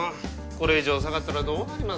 これ以上下がったらどうなります